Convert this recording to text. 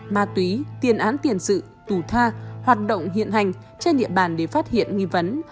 ma túy tiền án tiền sự tù tha hoạt động hiện hành trên địa bàn để phát hiện nghi vấn